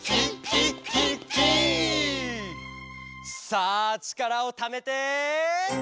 「さあちからをためて！」